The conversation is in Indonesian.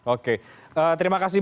oke terima kasih